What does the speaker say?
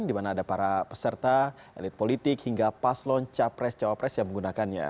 di mana ada para peserta elit politik hingga paslon capres cawapres yang menggunakannya